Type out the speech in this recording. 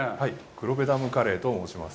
「黒部ダムカレー」といいます。